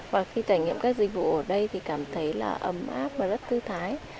và khi trải nghiệm các dịch vụ ở đây thì cảm thấy là ấm áp và rất thư thái